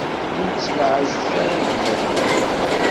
Ur ttlaɛajet ara gma-twen.